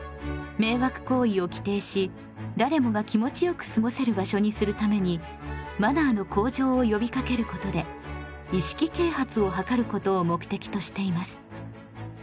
迷惑行為を規定し誰もが気持ちよく過ごせる場所にするためにマナーの向上をよびかけることで意識啓発を図ることを目的としています。